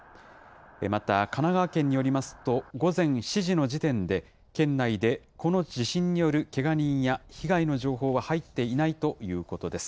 また神奈川県によりますと、午前７時の時点で、県内でこの地震によるけが人や被害の情報は入っていないということです。